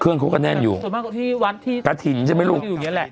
เครื่องเค้าก็แน่นอยู่กระถิ่นใช่มั้ยลูก